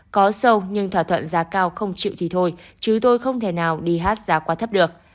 có sâu nhưng thỏa thuận giá cao không chịu thì thôi chứ tôi không thể nào đi hát giá quá thấp được